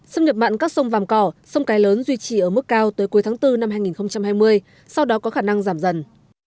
xâm nhập mặn các sông vàm cỏ sông cái lớn duy trì ở mức cao tới cuối tháng bốn năm hai nghìn hai mươi sau đó có khả năng giảm dần